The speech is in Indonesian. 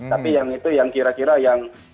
tapi yang itu yang kira kira yang